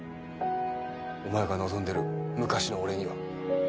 お前が望んでる昔の俺には。